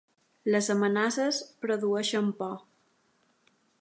Les amenaces produeixen por.